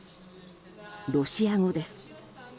ロシア語です。